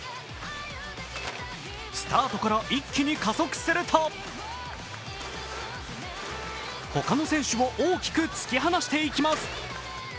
スタートから一気に加速すると他の選手を大きく突き放していきます。